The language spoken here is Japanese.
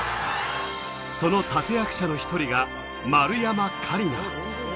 その立役者の１人が丸山桂里奈。